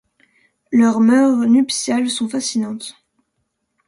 Leurs mœurs nuptiales sont fascinantes.